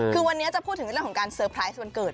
คือวันนี้จะพูดถึงเรื่องของการเซอร์ไพรส์วันเกิด